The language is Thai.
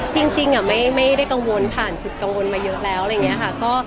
จริงไม่ได้กังวลผ่านจุดกังวลมาเยอะแล้วอะไรอย่างนี้ค่ะ